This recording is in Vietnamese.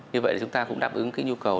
như vậy là chúng ta cũng đáp ứng cái nhu cầu